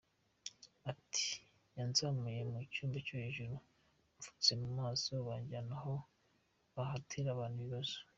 Ati “Yanzamuye mu cyumba cyo hejuru mpfutse mu maso, banjyana aho bahatira abantu ibibazo.”